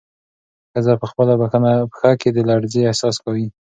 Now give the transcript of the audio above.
ښځه په خپله پښه کې د لړزې احساس کوي.